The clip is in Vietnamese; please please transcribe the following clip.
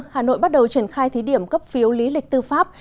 hà nội bắt đầu triển khai thí điểm cấp phiếu lý lịch tư pháp